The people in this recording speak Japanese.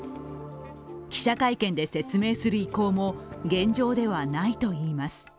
記者会見で説明する意向も現状ではないといいます。